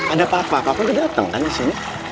ada papa papa udah dateng kan di sini